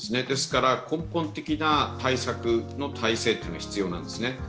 ですから根本的な対策の体制が必要なんですね。